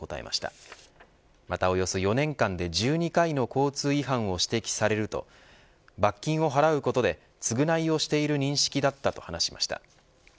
また、およそ４年間で１２回の交通違反を指摘されると罰金を払うことで償いをしている認識だったと話しました。